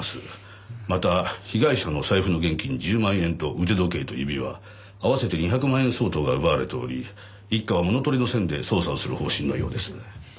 また被害者の財布の現金１０万円と腕時計と指輪合わせて２００万円相当が奪われており一課は物取りの線で捜査をする方針のようです。